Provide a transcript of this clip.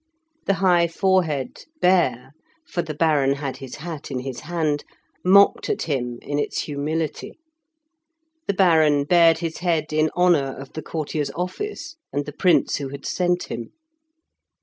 The high forehead bare, for the Baron had his hat in his hand, mocked at him in its humility. The Baron bared his head in honour of the courtier's office and the Prince who had sent him.